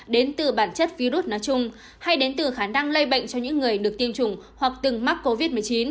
đến từ bản chất virus nói chung hay đến từ khả năng lây bệnh cho những người được tiêm chủng hoặc từng mắc covid một mươi chín